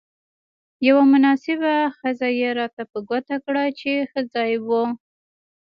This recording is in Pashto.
یوه مناسبه خزه يې راته په ګوته کړه، چې ښه ځای وو.